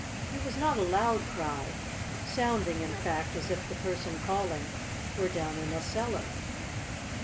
It was not a loud cry, sounding in fact, as if the person calling were down in a cellar.